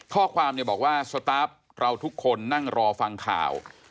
ข้อความบอกว่าสตาร์ฟเราทุกคนนั่งรอฟังข่าว